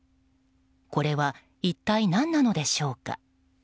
これは一体何なのでしょうか。